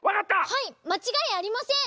はいまちがいありません！